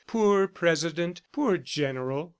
Poor President! Poor General!